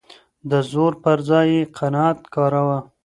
د زور پر ځای يې قناعت کاراوه.